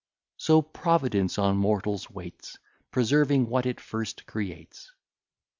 So Providence on mortals waits, Preserving what it first creates.